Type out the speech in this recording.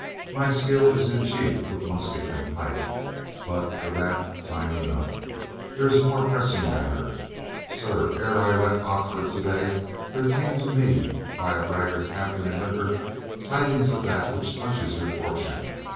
My skill is in chief with musket and pike, but for that, time enough. There 238 COLONEL GREATHEART is more pressing matter. Sir, ere I left Oxford to day there came to me by a braggart captain in liquor, tidings of that which touches your fortune.